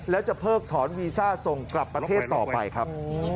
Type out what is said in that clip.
แล้วจะเพิกถอนวีซ่าส่งกลับประเทศต่อไปครับ